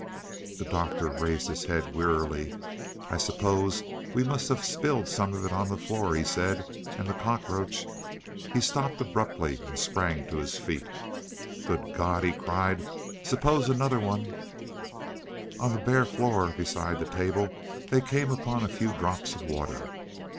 The Doctor raised his head wearily. "I suppose we must have spilled some of it on the floor," he said, "and the cockroach " He stopped abruptly and sprang to his feet. "Good God!" he cried. "Suppose another one " On the bare floor beside the table they came upon a few drops of water.